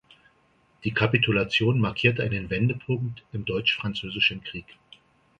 Die Kapitulation markierte einen Wendepunkt im Deutsch-Französischen Krieg.